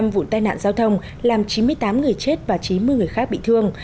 một trăm hai mươi năm vụ tai nạn giao thông làm chín mươi tám người chết và chín mươi người khác bị thương